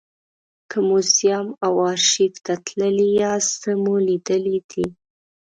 که موزیم او ارشیف ته تللي یاست څه مو لیدلي دي.